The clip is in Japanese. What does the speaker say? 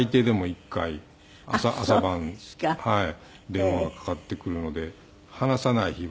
電話がかかってくるので話さない日は。